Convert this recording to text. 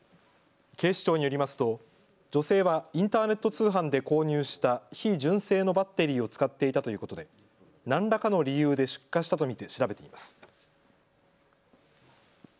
警視庁によりますと女性はインターネット通販で購入した非純正のバッテリーを使っていたということで何らかの理由で出火したと見て調べています。